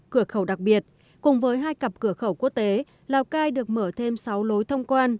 cửa khẩu đặc biệt cùng với hai cặp cửa khẩu quốc tế lào cai được mở thêm sáu lối thông quan